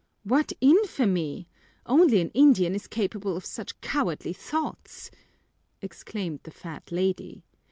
"What infamy! Only an Indian is capable of such cowardly thoughts," exclaimed the fat lady.